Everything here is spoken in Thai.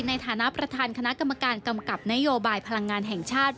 ในฐานะประธานคณะกรรมการกำกับนโยบายพลังงานแห่งชาติ